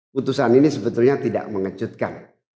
putusan ini sebetulnya tidak mengejutkan